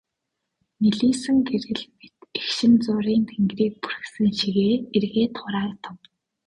Нэлийсэн гэрэл гэнэт эгшин зуур тэнгэрийг бүрхсэн шигээ эргээд хураагдав.